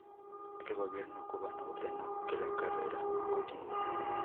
El gobierno cubano ordenó que la carrera continuará.